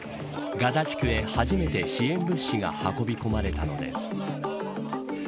ガザ地区へ初めて支援物資が運び込まれたのです。